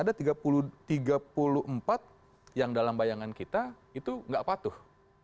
ada tiga puluh empat yang dalam bayangan kita itu nggak patuh